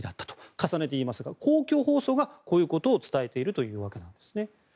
重ねて言いますが公共放送がこういうことを伝えているということです。